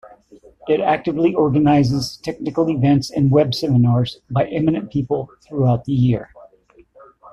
It actively organizes technical events and web seminars by eminent people throughout the year.